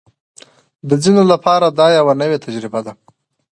د ځینو لپاره دا یوه نوې تجربه ده